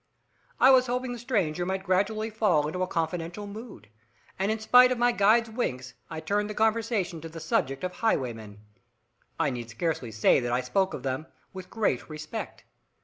I was hoping the stranger might gradually fall into a confidential mood, and in spite of my guide's winks, I turned the conversation to the subject of highwaymen. I need scarcely say that I spoke of them with great respect.